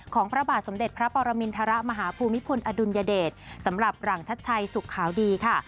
พระบาทสมเด็จพระปรมินทรมาฮภูมิพลอดุลยเดชสำหรับหลังชัดชัยสุขขาวดีค่ะ